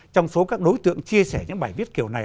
trong số các đối tượng chia sẻ những bài viết kiểu này